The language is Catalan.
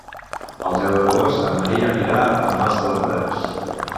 El deu d'agost en Maria anirà a Mas de Barberans.